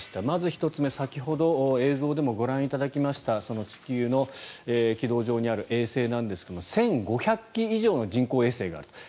まず１つ目、先ほど映像でもご覧いただきましたその地球の軌道上にある衛星なんですが１５００基以上の人工衛星がある。